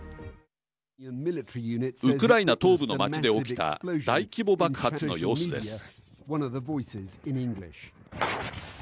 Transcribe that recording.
ウクライナ東部の町で起きた大規模爆発の様子です。